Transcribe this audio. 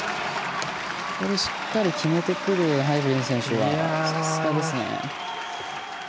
しっかり決めてくるハイブリン選手はさすがですね。